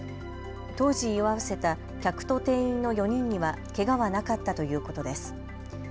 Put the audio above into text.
当時居合わせた客と店員の４人にはけがはなかったということです。